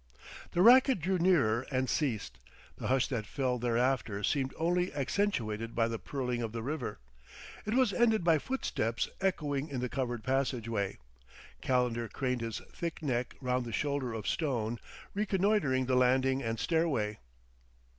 The racket drew nearer and ceased; the hush that fell thereafter seemed only accentuated by the purling of the river. It was ended by footsteps echoing in the covered passageway. Calendar craned his thick neck round the shoulder of stone, reconnoitering the landing and stairway.